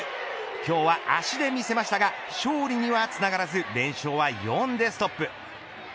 今日は足で見せましたが勝利にはつながらず連勝は４でストップ。